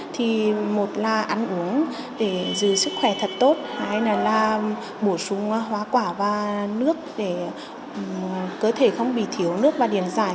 thì một là ăn uống để giữ sức khỏe thật tốt hai là bổ sung hóa quả và nước để cơ thể không bị thiếu nước và điển dài